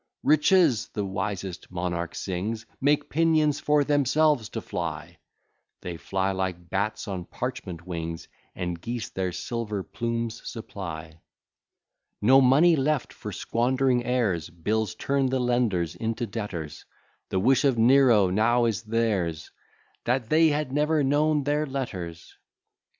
"Riches," the wisest monarch sings, "Make pinions for themselves to fly;" They fly like bats on parchment wings, And geese their silver plumes supply. No money left for squandering heirs! Bills turn the lenders into debtors: The wish of Nero now is theirs, "That they had never known their letters."